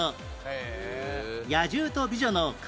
野獣と美女の感動